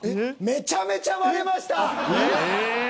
めちゃめちゃ割れました。